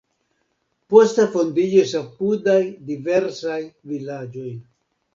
Poste fondiĝis apudaj diversaj vilaĝoj.